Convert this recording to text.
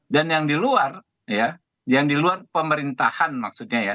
yang di luar ya yang di luar pemerintahan maksudnya ya